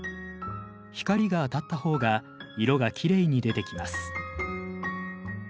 光が当たった方が色がきれいに出てきます。